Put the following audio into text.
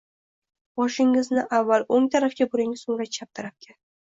Boshingizni avval o'ng tarafga buring, so'ngra chap tarafga.